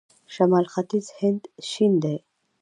شمال ختیځ هند شین دی.